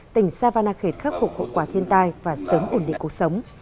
tỉnh savanakhet khắc phục hậu quả thiên tai và sớm ổn định cuộc sống